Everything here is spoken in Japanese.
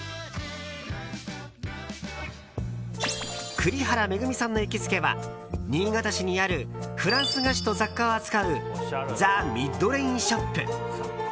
栗原恵さんの行きつけは新潟市にあるフランス菓子と雑貨を扱うＴＨＥＭＩＤＲＡＩＮＳＨＯＰ。